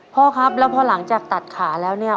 พ่อครับแล้วพอหลังจากตัดขาแล้วเนี่ย